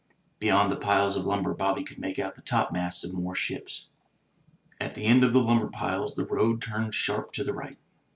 Beyond the piles of lumber Bobby could make out the topmasts of more ships. At the end of the lumber piles the road turned sharp to the right.